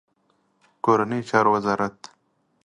د کورنیو چارو وزارت